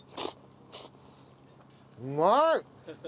うまい！